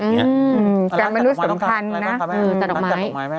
การมนุษย์สำคัญนะอะไรบ้างคะแม่จัดอกไม้